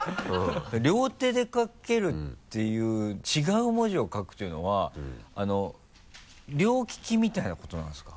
両手で書けるっていう違う文字を書くというのは両利きみたいなことなんですか？